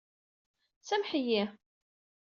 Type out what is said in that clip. Samḥ-iyi...